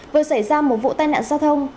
vừa xảy ra một vụ tai nạn giao thông